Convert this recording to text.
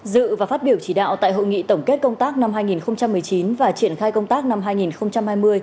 dự và phát biểu chỉ đạo tại hội nghị tổng kết công tác năm hai nghìn một mươi chín và triển khai công tác năm hai nghìn hai mươi